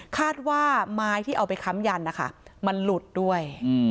คาดว่าไม้ที่เอาไปค้ำยันนะคะมันหลุดด้วย